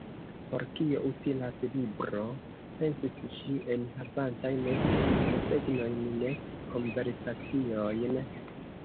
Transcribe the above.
"Por kio utilas libro," pensis ŝi, "enhavanta nek desegnojn nek konversaciojn?"